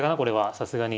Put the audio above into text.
さすがに。